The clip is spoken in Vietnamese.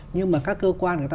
nhưng mà các cơ quan người ta